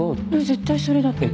絶対それだって。